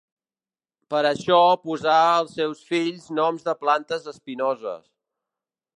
Per això posà als seus fills noms de plantes espinoses.